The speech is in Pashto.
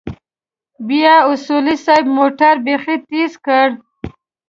بيا اصولي صيب موټر بيخي تېز کړ.